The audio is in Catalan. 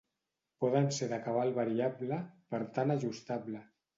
Poden ser de cabal variable, per tant ajustable.